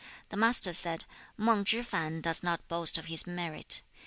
The Master said, 'Mang Chih fan does not boast of his merit.